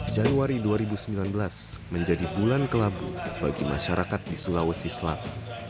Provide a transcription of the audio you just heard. januari dua ribu sembilan belas menjadi bulan kelabu bagi masyarakat di sulawesi selatan